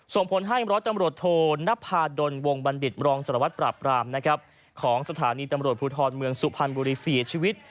ส่งผลให้ร้อยตำรวจโทนภาดลวงบัณฑิตมรองสารวัตรปราบรามของสถานีตำรวจภูทรเมืองสุพรรณบุรีเสียชีวิต